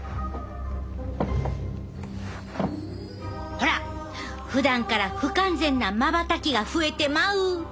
ほらふだんから不完全なまばたきが増えてまう！